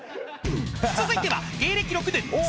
［続いては］